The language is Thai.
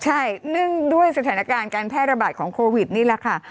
ใช่เนื่องด้วยสถานการณ์การแพร่ระบาดของโควิดนี่แหละค่ะ